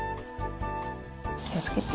気をつけて。